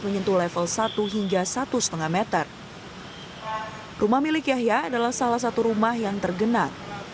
menyentuh level satu hingga satu setengah meter rumah milik yahya adalah salah satu rumah yang tergenang